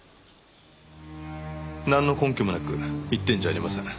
なんの根拠もなく言ってるんじゃありません。